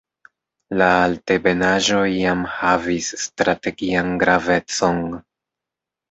La altebenaĵo iam havis strategian gravecon.